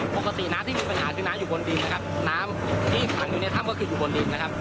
ปกติน้ำที่มีปัญหาคือน้ำอยู่บนดินนะครับน้ำที่ขังอยู่ในถ้ำก็คืออยู่บนดินนะครับ